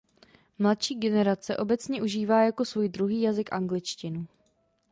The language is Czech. Mladší generace obecně užívá jako svůj druhý jazyk angličtinu.